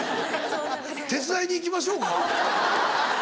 手伝いに行きましょうか？